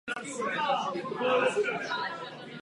V nedalekém okolí obce se rozprostírají smíšené lesy.